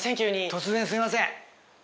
突然すいません。